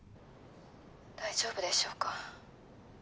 大丈夫でしょうか？